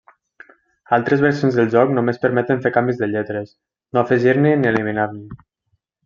Altres versions del joc només permeten fer canvis de lletres, no afegir-ne ni eliminar-ne.